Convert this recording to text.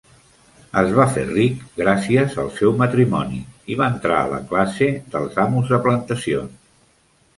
Es va fer ric gràcies al seu matrimoni i va entrar a la classe dels amos de plantacions.